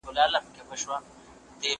زه پرون پوښتنه کوم.